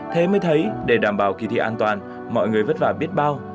thế mới thấy để đảm bảo kỳ thi an toàn mọi người vất vả biết bao